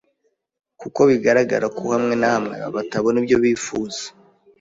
kuko bigaragara ko hamwe na hamwe batabona ibyo bifuza